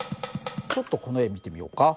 ちょっとこの絵見てみようか。